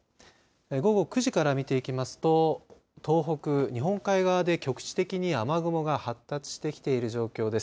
午後９時から見ていきますと東北、日本海側で局地的に雨雲が発達してきている状況です。